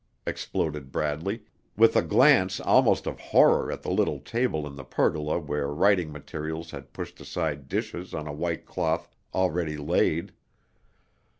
exploded Bradley, with a glance almost of horror at the little table in the pergola where writing materials had pushed aside dishes on a white cloth already laid.